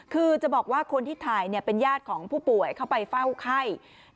คือจะบอกว่าคนที่ถ่ายเป็นญาติของผู้ป่วยเข้าไปเฝ้าไข้